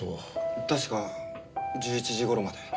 確か１１時頃まで。